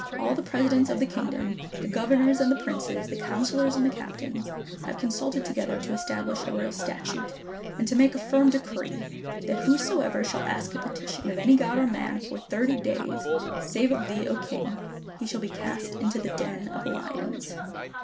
All the presi dents of the kingdom, the governors, and the princes, the counsellors, and the captains, have consulted to gether to establish a royal statute, and to make a firm decree, that whosoever shall ask a petition of any God or man for thirty days, save of thee, O king, he shall be cast into the den of lions.